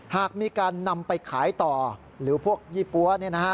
หากมีการนำไปขายต่อหรือพวกยี่ปั๊ว